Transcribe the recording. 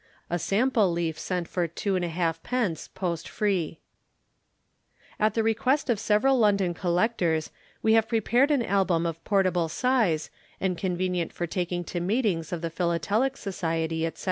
A sample leaf sent for 2 1/2d., post free. At the request of several London collectors we have prepared an Album of portable size, and convenient for taking to meetings of the Philatelic Society, etc.